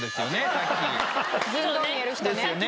さっき・ずんどう見える人ねですよね？